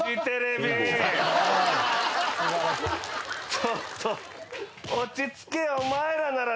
ちょっと。